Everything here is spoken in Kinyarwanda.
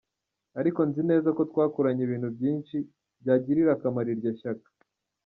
Ariko nzi neza ko twakoranye ibintu byinshi byagirira akamaro iryo shyaka."